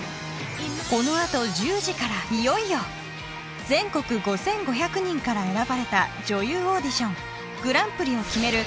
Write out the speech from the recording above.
このあと１０時からいよいよ全国５５００人から選ばれた女優オーディショングランプリを決める